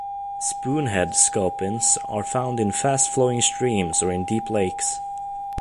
Spoonhead sculpins are found in fast flowing streams or in deep lakes.